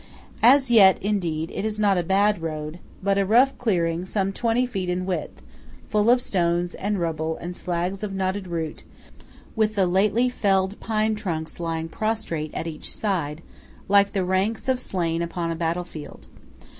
As yet, indeed, it is not a road, but a rough clearing some twenty feet in width, full of stones and rubble and slags of knotted root, with the lately felled pine trunks lying prostrate at each side, like the ranks of slain upon a battle field.